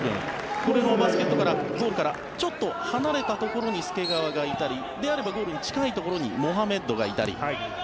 このバスケットから少し離れたところ介川がいたりであればゴールに近いところにモハメッドがいたり。